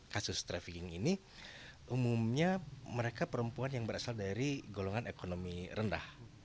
kasus trafficking ini umumnya mereka perempuan yang berasal dari golongan ekonomi rendah